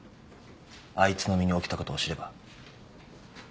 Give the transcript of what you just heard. あいつの身に起きたことを知れば。